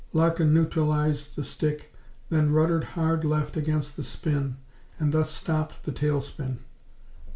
Larkin neutralized the stick, then ruddered hard left against the spin, and thus stopped the tail spin.